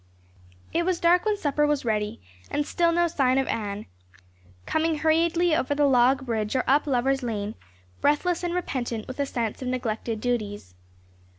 It was dark when supper was ready, and still no sign of Anne, coming hurriedly over the log bridge or up Lover's Lane, breathless and repentant with a sense of neglected duties.